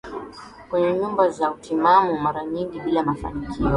kwenye nyumba za utimamu mara nyingi bila mafanikio